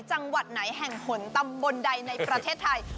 จังหวัดไหนแห่งหนตำบลใดในประเทศไทย